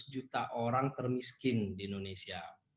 seratus juta orang termiskin di indonesia